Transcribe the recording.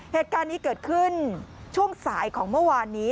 เหตุการณ์นี้เกิดขึ้นช่วงสายของเมื่อวานนี้